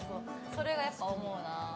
それがやっぱり思うな。